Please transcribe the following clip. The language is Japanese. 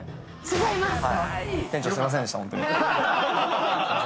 違います。